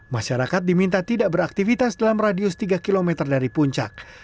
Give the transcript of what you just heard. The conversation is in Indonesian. masyarakat diminta tidak beraktivitas dalam radius tiga km dari puncak